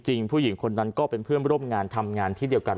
ผู้หญิงคนนั้นก็เป็นเพื่อนร่วมงานทำงานที่เดียวกัน